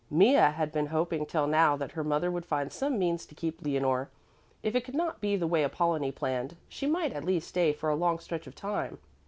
Mea had been hoping till now that her mother would find some means to keep Leonore. If it could not be the way Apollonie planned, she might at least stay for a long stretch of time.